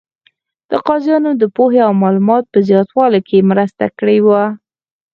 د قاضیانو د پوهې او معلوماتو په زیاتوالي کې مرسته کړې وه.